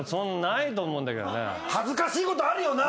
恥ずかしいことあるよな。